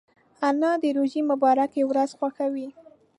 انا د روژې مبارکې ورځې خوښوي